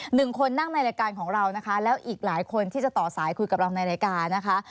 หนึ่งคนนั่งในรายการของเรานะคะแล้วอีกหลายคนที่จะต่อสายคุยกับเราในรายการนะคะ